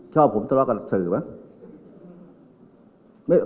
ชอบผมตลอดกับสื่อเหรอ